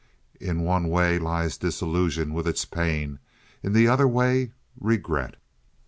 In one way lies disillusion with its pain, in the other way regret.